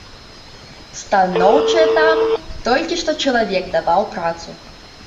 Станоўчае там, толькі што чалавек даваў працу.